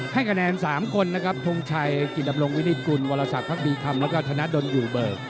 ให้คะแนน๓คนนะครับทงชัยกิจดำรงวินิตกุลวรสักพักบีคำแล้วก็ธนดลอยู่เบิก